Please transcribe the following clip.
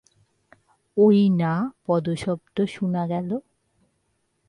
ওই না পদশব্দ শুনা গেল?